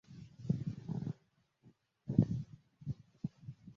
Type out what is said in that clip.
Olwebulungulula ati teyaddamu kulabikako.